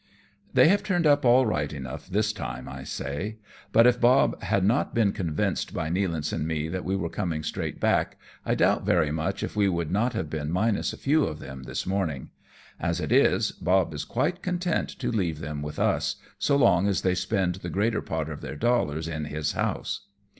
" They have turned up all right enough this time," I say, " but if Bob had not been convinced by Nealance and me that we were coming straight back, I doubt very much if we would not have been minus a few of them this morning. As it is. Bob is quite content to leave them with us, so long as they spend the greater part of their dollars in his house."